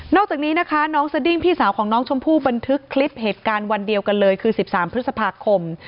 อกจากนี้นะคะน้องสดิ้งพี่สาวของน้องชมพู่บันทึกคลิปเหตุการณ์วันเดียวกันเลยคือ๑๓พฤษภาคม